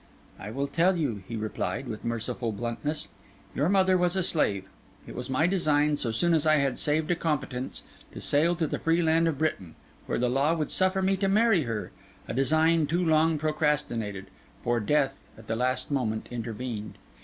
'I will tell you,' he replied, with merciful bluntness. 'Your mother was a slave; it was my design, so soon as I had saved a competence, to sail to the free land of Britain, where the law would suffer me to marry her: a design too long procrastinated; for death, at the last moment, intervened.